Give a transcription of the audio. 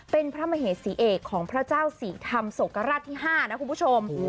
เป็นพระมเหสีเอกของพระเจ้าศรีธรรมศกราชที่๕นะคุณผู้ชม